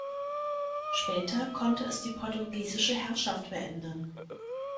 Später konnte es die portugiesische Herrschaft beenden.